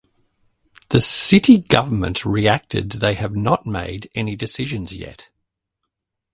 The City Government reacted they have not made any decisions yet.